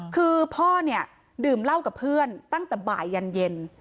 คือพ่อเนี่ยดื่มเหล้ากับเพื่อนตั้งแต่บ่ายยันเย็น